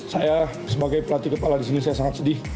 saya sebagai pelatih kepala disini saya sangat sedih